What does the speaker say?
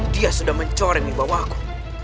dia sudah mencoreng dibawahku